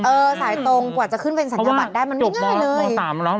เออใส่ตรงกว่าจะขึ้นเป็นสัญญาบัตรได้มันไม่ง่ายเลย